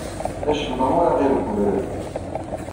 Acemma ur aɣ-ireggel abrid.